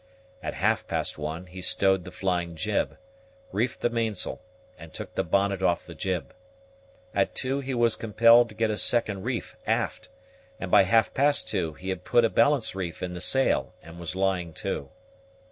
At half past one he stowed the flying jib, reefed the mainsail, and took the bonnet off the jib. At two he was compelled to get a second reef aft; and by half past two he had put a balance reef in the sail, and was lying to.